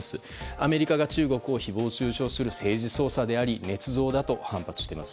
アメリカが中国を誹謗中傷する政治操作でありねつ造だと反発しています。